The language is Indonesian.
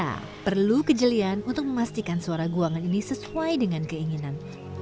ya perlu kejelian untuk memastikan suara guangan ini sesuai dengan keinginan